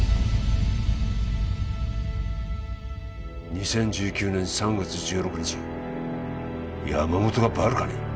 ２０１９年３月１６日山本がバルカに？